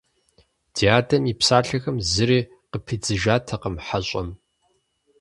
Ди адэм и псалъэхэм зыри къыпидзыжатэкъым хьэщӀэм.